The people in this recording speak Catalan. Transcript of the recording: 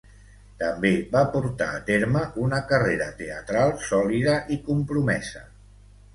També va portar a terme una carrera teatral sòlida i compromesa.